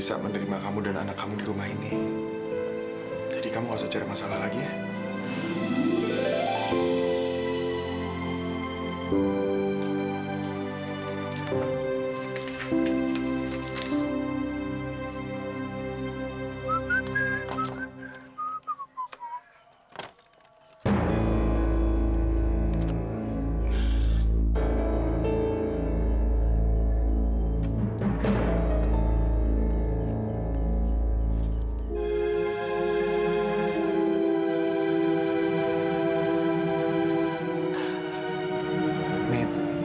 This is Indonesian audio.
sampai jumpa di video selanjutnya